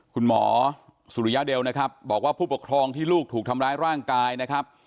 คุณหมอสุริยเดลนะครับบอกว่าผู้ปกครองที่ลูกถูกทำร้ายร่างกายนะครับ